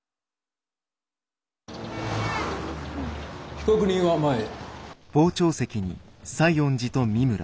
被告人は前へ。